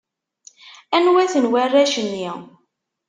Anwa-ten warrac-nni?